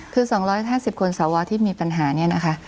คือ๒๕๐คนสวที่มีปัญหาเนี่ยนะคะ